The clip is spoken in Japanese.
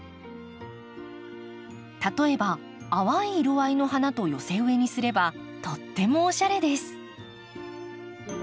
例えば淡い色合いの花と寄せ植えにすればとってもおしゃれです。